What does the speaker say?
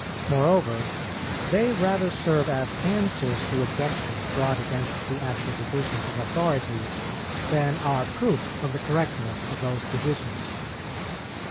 Moreover, they rather serve as answers to objections brought against the actual decisions of authority, than are proofs of the correctness of those decisions.